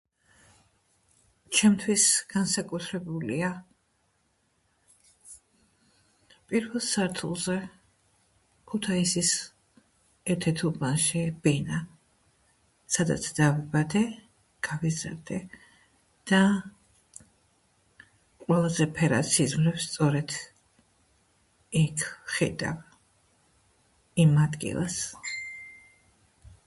ჩემთვის განსაკუთრებულია პირველ სართულზე ქუთაისის ერთ-ერთ უბანში ბინა, სადაც დავიბადე, გავიზარდე და ყველაზე ფერად სიზმრებს სწორედ იქ ვხედავ, იმ ადგილას.